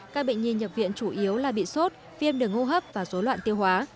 các bệnh nhi nhập viện chủ yếu là bị sốt viêm đường hô hấp và dối loạn tiêu hóa